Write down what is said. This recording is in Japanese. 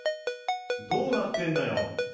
どうなってんだよ。